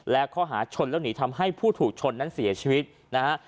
และข้อหาชนแล้วหนีทำให้ผู้ถูกชนนั้นเสียชีวิตนะฮะ